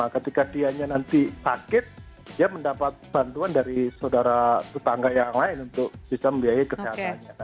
ketika dianya nanti sakit dia mendapat bantuan dari saudara tetangga yang lain untuk bisa membiayai kesehatannya